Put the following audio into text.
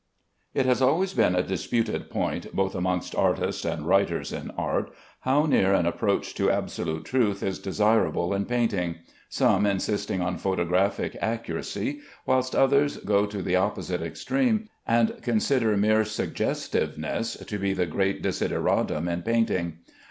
It has always been a disputed point, both amongst artists and writers on art, how near an approach to absolute truth is desirable in painting; some insisting on photographic accuracy, whilst others go to the opposite extreme, and consider mere suggestiveness to be the great desideratum in painting.